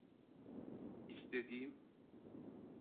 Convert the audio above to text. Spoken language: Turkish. İstediğim…